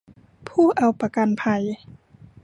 ผู้เอาประกันภัย